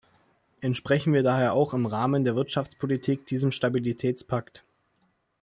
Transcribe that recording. Entsprechen wir daher auch im Rahmen der Wirtschaftspolitik diesem Stabilitätspakt!